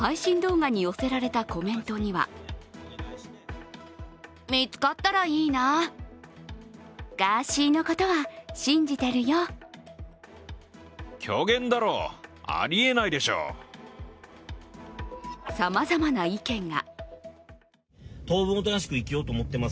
配信動画に寄せられたコメントにはさまざまな意見が。